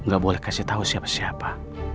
gak boleh kasih tahu siapa siapa